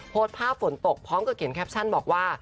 โพสต์ภาพฝนตกพร้อมกับเขียนแคปชั่นบอกว่า